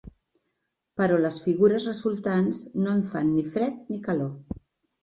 Però les figures resultants no em fan ni fred ni calor.